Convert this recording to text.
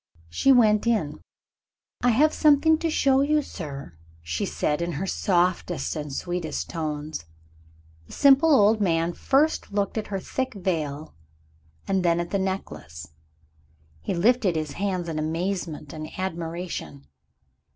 She went in. "I have something to show you, sir," she said, in her softest and sweetest tones. The simple old man first looked at her thick veil, and then at the necklace. He lifted his hands in amazement and admiration.